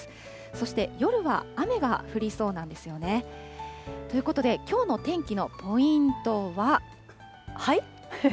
そして夜は雨が降りそうなんですよね。ということで、きょうの天気のポイントは。